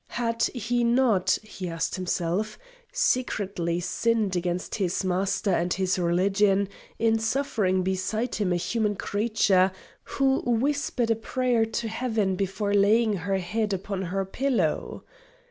Had he not, he asked himself, secretly sinned against his master and his religion in suffering beside him a human creature who whispered a prayer to Heaven before laying her head upon her pillow?